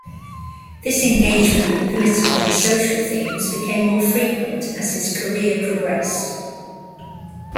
This engagement with political and social themes became more frequent as his career progressed.